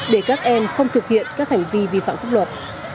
để các em không thực hiện các hành vi vi phạm pháp luật